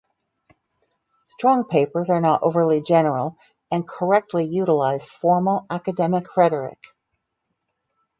Strong papers are not overly general and correctly utilize formal academic rhetoric.